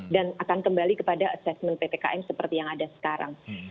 dan akan kembali kepada asesmen ppkm seperti yang ada sekarang